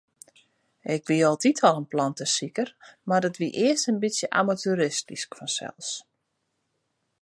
Ik wie altyd al in plantesiker, mar dat wie earst in bytsje amateuristysk fansels.